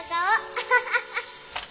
アハハハハ！